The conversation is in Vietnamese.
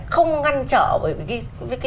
không ngăn trở với cái